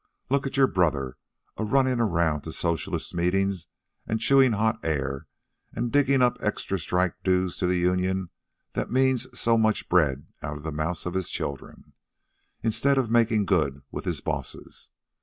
Look at your brother, a runnin' around to socialist meetin's, an' chewin' hot air, an' diggin' up extra strike dues to the union that means so much bread out of the mouths of his children, instead of makin' good with his bosses.